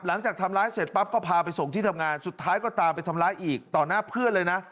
หลังจากทำร้ายเสร็จปั๊บก็พาไปส่งที่ทำงานสุดท้ายก็ตามไปทำร้ายอีกต่อหน้าเพื่อนเลยนะ